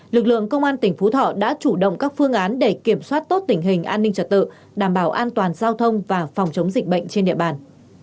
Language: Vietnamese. lực lượng công an tỉnh phú thọ đã chủ động các phương án để kiểm soát tốt tình hình an ninh trật tự đảm bảo an toàn giao thông và phòng chống dịch bệnh trên địa bàn